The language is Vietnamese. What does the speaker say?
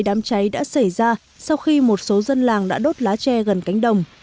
đám cháy đã xảy ra sau khi một số dân làng đã đốt lá tre gần cánh đồng